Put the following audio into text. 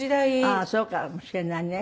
ああそうかもしれないね。